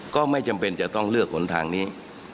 ก็ไม่จำเป็นจะต้องเลือกหนทางนี้